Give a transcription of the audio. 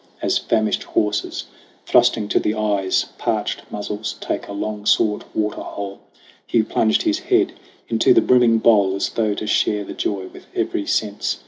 As famished horses, thrusting to the eyes Parched muzzles, take a long sought water hole, Hugh plunged his head into the brimming bowl As though to share the joy with every sense.